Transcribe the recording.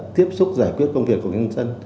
tiếp xúc giải quyết công việc của nhân dân